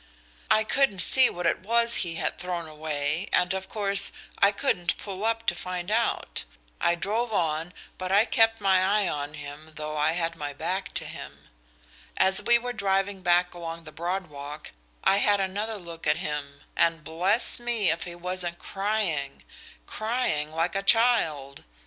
"I couldn't see what it was he had thrown away, and, of course, I couldn't pull up to find out. I drove on, but I kept my eye on him, though I had my back to him. As we were driving back along the Broad Walk I had another look at him, and bless me if he wasn't crying crying like a child.